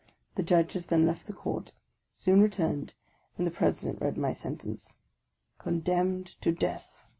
The Judges then left the Court; soon returned, and the President read my sentence. "Condemned to death!"